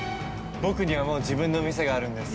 僕にはもう自分の店があるんです。